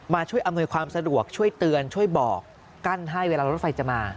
ช่วยอำนวยความสะดวกช่วยเตือนช่วยบอกกั้นให้เวลารถไฟจะมา